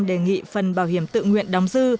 đề nghị phần bảo hiểm tự nguyện đóng dư